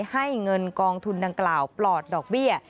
ให้เงินกองทุนดังกล่าวปลอดดอกเบี้ย